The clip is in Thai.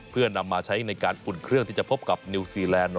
เพื่อนำมาใช้ในการอุ่นเครื่องที่จะพบกับนิวซีแลนด์